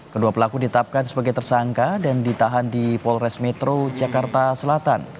kedua pelaku ditapkan sebagai tersangka dan ditahan di polres metro jakarta selatan